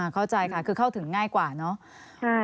เข้าใจค่ะคือเข้าถึงง่ายกว่าเนอะ